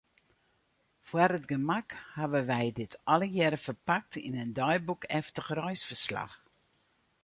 Foar it gemak hawwe wy dit allegearre ferpakt yn in deiboekeftich reisferslach.